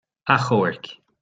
Achomhairc.